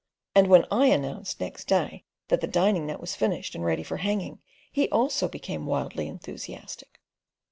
And when I announced next day that the dining net was finished and ready for hanging, he also became wildly enthusiastic.